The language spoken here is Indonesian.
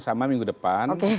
pertama minggu depan